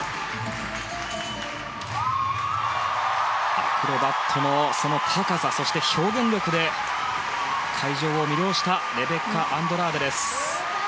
アクロバットの高さそして表現力で会場を魅了したレベッカ・アンドラーデです。